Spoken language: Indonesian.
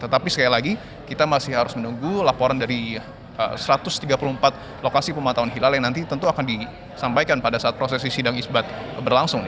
tetapi sekali lagi kita masih harus menunggu laporan dari satu ratus tiga puluh empat lokasi pemantauan hilal yang nanti tentu akan disampaikan pada saat prosesi sidang isbat berlangsung